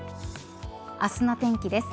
明日の天気です。